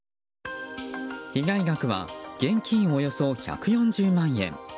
被害額は現金およそ１４０万円。